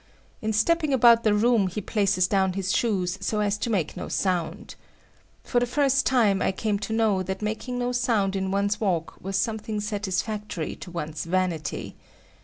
In stepping about the room, he places down his shoes so as to make no sound. For the first time I came to know that making no sound in one's walk was something satisfactory to one's vanity.